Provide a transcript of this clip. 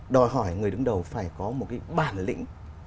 đòi hỏi người đứng đầu phải có một cái bản lĩnh